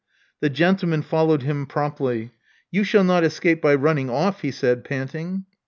The gentleman followed him promptly. You shall not escape by running off," he said, panting.